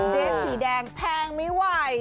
เรสสีแดงแพงไม่ไหว